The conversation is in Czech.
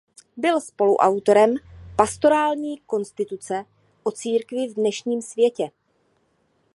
Byl spoluautorem Pastorální konstituce o církvi v dnešním světě.